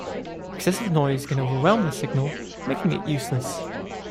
Excessive noise can overwhelm the signal, making it useless.